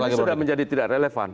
ini sudah menjadi tidak relevan